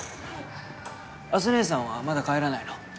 アスねえさんはまだ帰らないの？